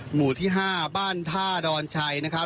หมู่ที่๕บ้านท่าดอนชัยนะครับ